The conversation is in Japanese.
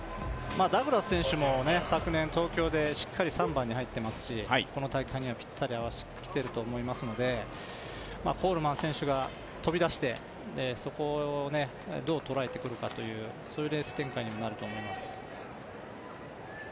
しっかり去年は入賞していますし、この大会にはぴったり合わせてきていると思いますのでコールマン選手が飛び出して、そこをどう捉えてくるかというそういうレース展開になると思います。